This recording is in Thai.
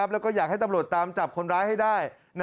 แล้วก็อยากให้ตำรวจตามจับคนร้ายให้ได้